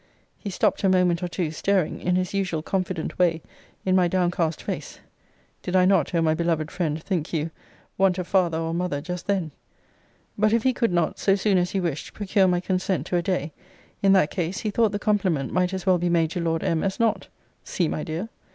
He stopped a moment or two, staring in his usual confident way, in my downcast face, [Did I not, O my beloved friend, think you, want a father or a mother just then?] But if he could not, so soon as he wished, procure my consent to a day; in that case, he thought the compliment might as well be made to Lord M. as not, [See, my dear!